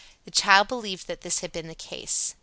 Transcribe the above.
The child believed that this had been the case."